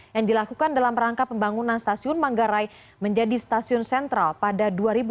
yang dilakukan dalam rangka pembangunan stasiun manggarai menjadi stasiun sentral pada dua ribu dua puluh